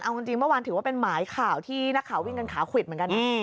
เอาจริงเมื่อวานถือว่าเป็นหมายข่าวที่นักข่าววิ่งกันขาควิดเหมือนกันนะ